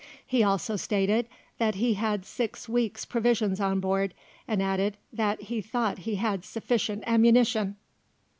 He also stated that he had six weeks' provisions on board and added that he thought he had sufficient ammunition.